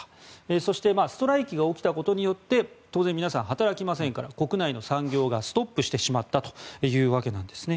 そしてストライキが起きたことによって当然、皆さん働きませんから国内の産業がストップしてしまったというわけなんです。